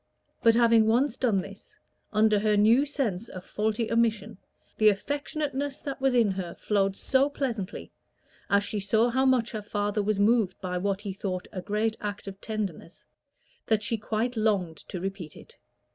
But having once done this, under her new sense of faulty omission, the affectionateness that was in her flowed so pleasantly, as she saw how much her father was moved by what he thought a great act of tenderness, that she quite longed to repeat it.